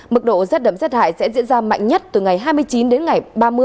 mức độ rét đậm rét hại sẽ diễn ra mạnh nhất từ ngày hai mươi chín đến ngày ba mươi